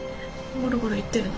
ゴロゴロ言ってるの？